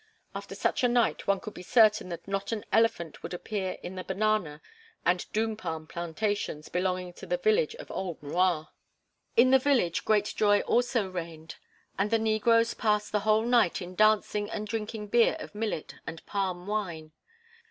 After such a night one could be certain that not an elephant would appear in the banana and doom palm plantations belonging to the village of old M'Rua. In the village great joy also reigned, and the negroes passed the whole night in dancing and drinking beer of millet and palm wine.